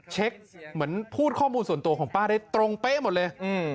เหมือนพูดข้อมูลส่วนตัวของป้าได้ตรงเป๊ะหมดเลย